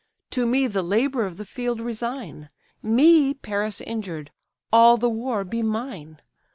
To me the labour of the field resign; Me Paris injured; all the war be mine.